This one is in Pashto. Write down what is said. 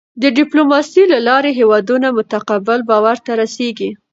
د ډیپلوماسی له لارې هېوادونه متقابل باور ته رسېږي.